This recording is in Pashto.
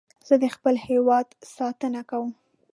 زه د خپل هېواد ساتنه کوم